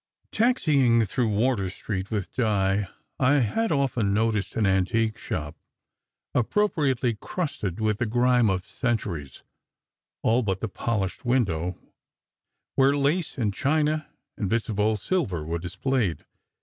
Taxying through Wardour Street with Di, I had often noticed an antique shop appropriately crusted with the grime of centuries, all but the polished window, where lace and china and bits of old silver were displayed.